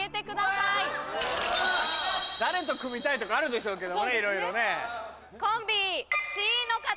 誰と組みたいとかあるでしょうけどねいろいろね。の方。